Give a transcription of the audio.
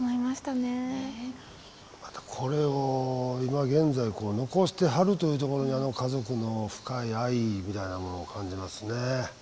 またこれを今現在残してはるというところにあの家族の深い愛みたいなものを感じますね。